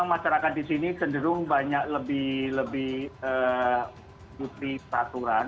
misalkan di sini cenderung banyak lebih lebih kursi peraturan